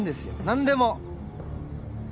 何でも！